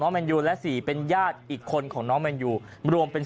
แมนยูและ๔เป็นญาติอีกคนของน้องแมนยูรวมเป็น